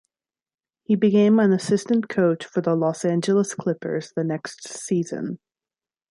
He became an assistant coach for the Los Angeles Clippers the next season.